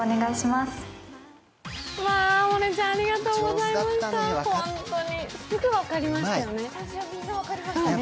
すぐ分かりましたね。